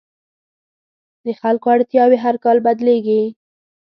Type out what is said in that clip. د خلکو اړتیاوې هر کال بدلېږي.